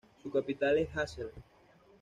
Su capital es Hasselt.